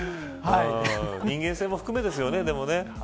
人間性も含めですよね、でもね。